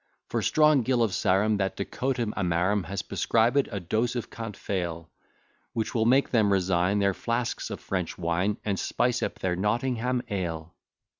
For strong Gill of Sarum, That decoctum amarum, Has prescribed a dose of cant fail; Which will make them resign Their flasks of French wine, And spice up their Nottingham ale.